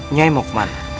nyai mau kemana